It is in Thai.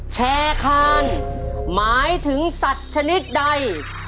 แชร์คานหมายถึงสัตว์ชนิดใด